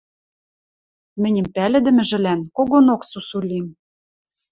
Мӹньӹм пӓлӹдӹмӹжӹлӓн когонок сусу лим.